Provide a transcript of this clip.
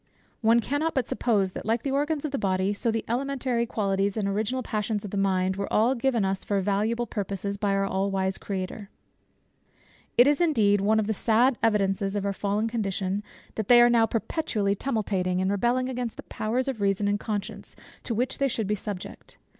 One cannot but suppose that like the organs of the body, so the elementary qualities and original passions of the mind were all given us for valuable purposes by our all wise Creator. It is indeed one of the sad evidences of our fallen condition, that they are now perpetually tumultuating and rebelling against the powers of reason and conscience, to which they should be subject.